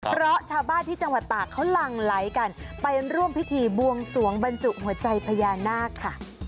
เพราะชาวบ้านที่จังหวัดตากเขาหลั่งไหลกันไปร่วมพิธีบวงสวงบรรจุหัวใจพญานาคค่ะ